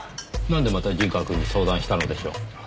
なんでまた陣川くんに相談したのでしょう？